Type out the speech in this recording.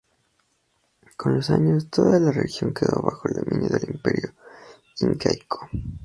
Con los años, toda la región quedó bajo el dominio del Imperio incaico.